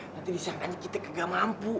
nanti disangkanya kita gak mampu